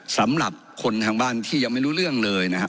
สำหรับคนทางบ้านที่ยังไม่รู้เรื่องเลยนะครับ